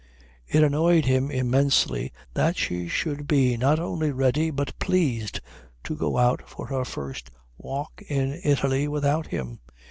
It annoyed him intensely that she should be not only ready but pleased to go out for her first walk in Italy without him.